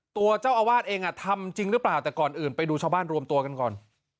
ตัวเจ้าอาวาสเองทำจริงหรือเปล่าแต่ก่อนอื่นไปดูชาวบ้านรวมตัวกันก่อน